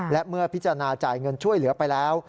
และเมื่อพิจารณาจ่ายเงินช่วยเหลือไปแล้ว